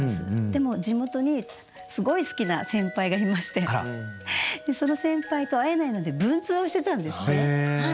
でも地元にすごい好きな先輩がいましてその先輩と会えないので文通をしてたんですね。